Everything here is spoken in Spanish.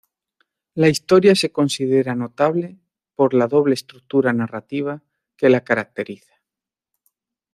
La historia se considera notable por la doble estructura narrativa que la caracteriza.